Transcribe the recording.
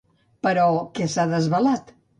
Però què s'ha desvelat?